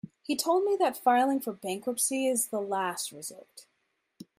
He told me that filing for bankruptcy is the last resort.